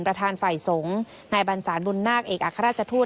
ประธานฝ่ายสงฆ์นายบรรษานบุญนาคเอกอัครราชทูต